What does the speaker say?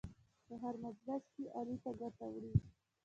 په هر مجلس کې علي ته ګوته وړي.